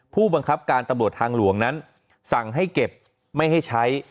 ผู้บังคับการตำรวจทางหลวงนั้นสั่งให้เก็บไม่ให้ใช้